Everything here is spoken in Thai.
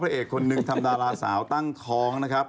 เอกคนหนึ่งทำดาราสาวตั้งท้องนะครับ